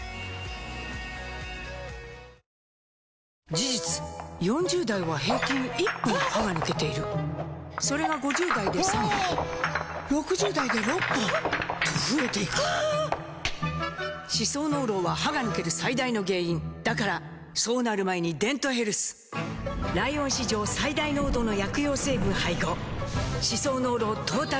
事実４０代は平均１本歯が抜けているそれが５０代で３本６０代で６本と増えていく歯槽膿漏は歯が抜ける最大の原因だからそうなる前に「デントヘルス」ライオン史上最大濃度の薬用成分配合歯槽膿漏トータルケア！